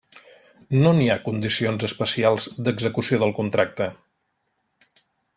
No n'hi ha condicions especials d'execució del contracte.